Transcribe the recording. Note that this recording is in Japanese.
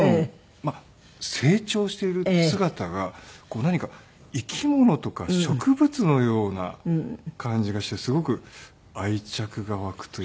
成長している姿が何か生き物とか植物のような感じがしてすごく愛着が湧くといいますか。